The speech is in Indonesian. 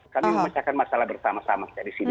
kami memecahkan masalah bersama sama